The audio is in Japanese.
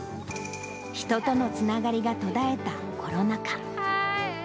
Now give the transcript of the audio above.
人とのつながりが途絶えたコロナ禍。